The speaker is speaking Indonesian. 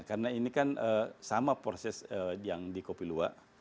karena ini kan sama proses yang di kopi luwak